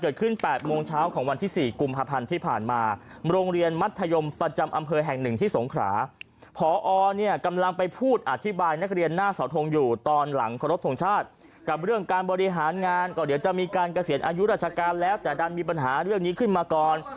เดี๋ยวจะมีการเกษียณอายุรัชการแล้วแต่ก็มีปัญหาเรื่องนี้ขึ้นมาก่อน